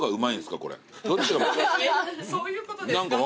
そういうことですか？